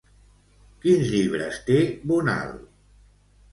Quins llibres té Bonal?